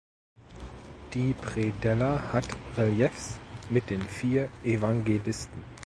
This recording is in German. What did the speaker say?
Die Predella hat Reliefs mit den vier Evangelisten.